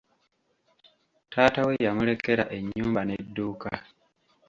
Taata we yamulekera ennyumba n'edduuka.